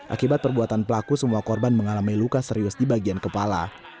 akibat perbuatan pelaku semua korban mengalami luka serius di bagian kepala